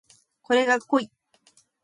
これが濃い